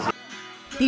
tidak hanya penyanyi